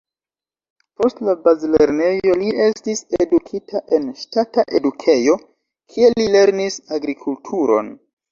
Post la bazlernejo li estis edukita en ŝtata edukejo, kie li lernis agrikulturon.